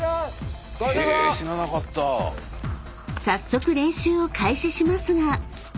［早速練習を開始しますが］